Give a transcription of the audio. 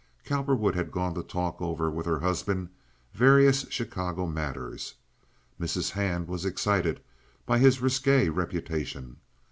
Cowperwood had gone to talk over with her husband various Chicago matters. Mrs. Hand was excited by his risque reputation.